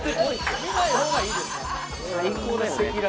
見ないほうがいいですね。